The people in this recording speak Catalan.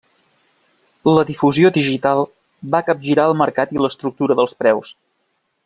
La difusió digital va capgirar el mercat i l'estructura dels preus.